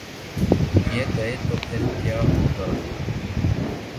یہ گئے تو پھر کیا ہو گا؟